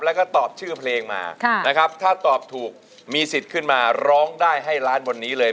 แล้วก็ตอบชื่อเพลงมานะครับถ้าตอบถูกมีสิทธิ์ขึ้นมาร้องได้ให้ล้านบนนี้เลย